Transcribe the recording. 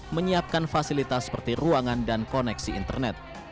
menyiapkan fasilitas seperti ruangan dan koneksi internet